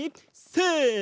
せの。